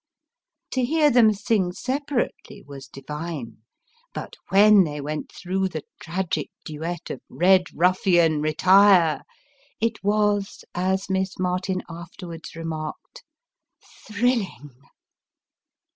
To hear them sing separately was divine, but when they went through the tragic duet of " Eed Ruffian, retire !" it was, as Miss Martin afterwards remarked, "thrilling."